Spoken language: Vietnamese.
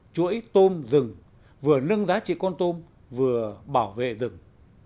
chuỗi tôm rừng vừa nâng giá trị con tôm vừa bảo vệ rừng